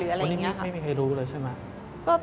วันนี้ไม่มีใครรู้เลยใช่ไหม